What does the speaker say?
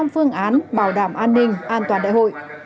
một trăm linh phương án bảo đảm an ninh an toàn đại hội